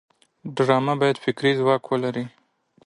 ډرامه باید فکري ځواک ولري